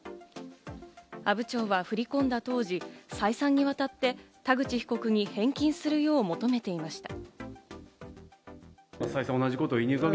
阿武町は振り込んだ当時、再三にわたって田口被告に返金するよう求めていました。